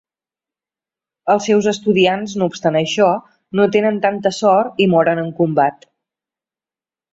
Els seus estudiants, no obstant això, no tenen tanta sort i moren en combat.